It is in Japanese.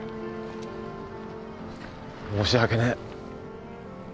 申し訳ねえ。